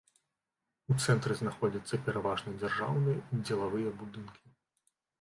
У цэнтры знаходзяцца пераважна дзяржаўныя і дзелавыя будынкі.